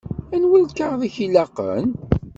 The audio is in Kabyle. Anwa lkaɣeḍ i k-ilaqen?